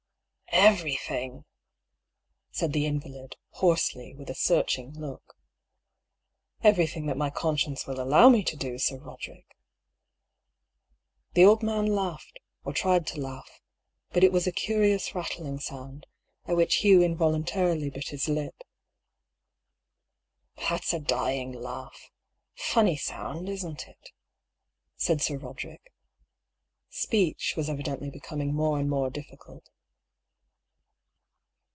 "Everything!" said the invalid, hoarsely, with a searching look. " Everything that my conscience will allow me to do. Sir Roderick 1 " The old man laughed, or tried to laugh ; but it was a curious rattling sound, at which Hugh involuntarily bit his lip. " That's a dying laugh. Funny sound, isn't it ?" said Sir Roderick. Speech was evidently becoming more and more difficult.